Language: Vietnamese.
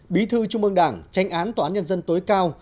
bí thư trung ương đảng tránh án tòa án nhân dân tối cao